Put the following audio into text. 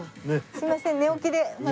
すいません寝起きでまだ。